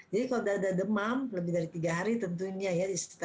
jadi kalau sudah ada demam lebih dari tiga hari tentunya ya di situ ya